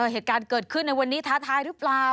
เหตุการณ์เกิดขึ้นในวันนี้ท้าทายหรือเปล่า